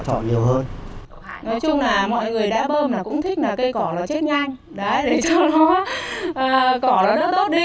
nói chung là mọi người đá bơm cũng thích cây cỏ chết nhanh để cho cỏ nó tốt đi